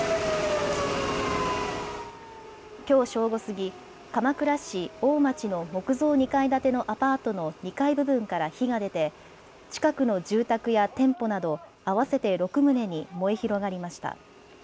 きょう正午過ぎ、鎌倉市大町の木造２階建てのアパートの２階部分から火が出て近くの住宅や店舗など合わせて６棟に燃え広がりました。